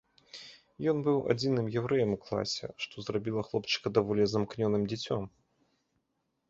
Ён быў адзіным яўрэем у класе, што зрабіла хлопчыка даволі замкнёным дзіцем.